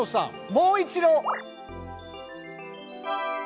もう一度！